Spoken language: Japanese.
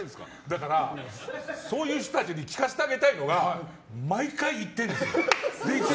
だから、そういう人たちに聞かせてあげたいのが毎回、行ってるの。